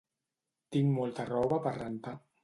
Tinc molta roba per rentar